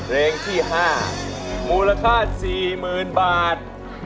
เพลงที่๕มูลค่า๔๐๐๐บาท